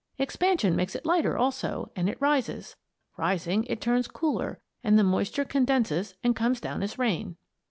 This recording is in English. Expansion makes it lighter also, and it rises. Rising, it turns cooler, and the moisture condenses and comes down as rain.